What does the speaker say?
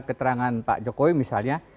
keterangan pak jokowi misalnya